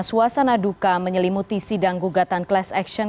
suasana duka menyelimuti sidang gugatan class action